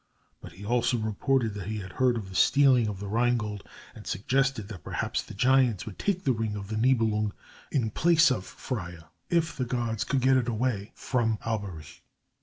But he also reported that he had heard of the stealing of the Rheingold, and suggested that perhaps the giants would take the ring of the Nibelung in place of Freia if the gods could get it away from Alberich.